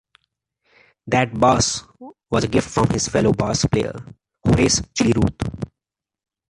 That bass was a gift from his fellow bass player Horace "Chili" Ruth.